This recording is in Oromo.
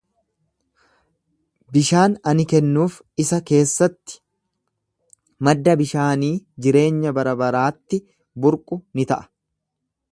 Bishaan ani kennuuf isa keessatti madda bishaanii jireenya barabaraatti burqu ni ta'a.